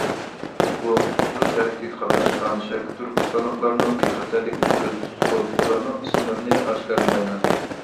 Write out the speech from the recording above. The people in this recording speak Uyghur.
بۇ قۇتقۇزۇش ھەرىكىتىگە قاتناشقان شەرقىي تۈركىستانلىقلارنىڭ بىخەتەرلىكىنى كۆزدە تۇتۇپ ئۇلارنىڭ ئىسىملىرىنى ئاشكارىلىمايمەن.